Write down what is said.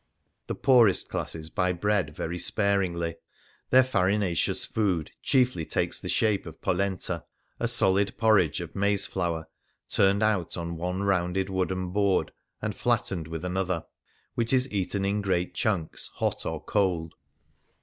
The poorest classes buy bread very sparingly; their fari naceous food chiefly takes the shape of poknta — a solid porridge of maize flour, turned out on one rounded wooden board and flattened with another — which is eaten in great chunks, hot or cold.